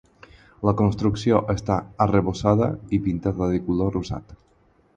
La construcció està arrebossada i pintada de color rosat.